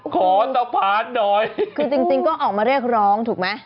ขอสะพานหน่อยคือจริงก็ออกมาเรียกร้องถูกไหม